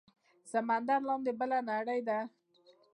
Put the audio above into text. د سمندر لاندې بله نړۍ ده